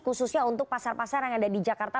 khususnya untuk pasar pasar yang ada di jakarta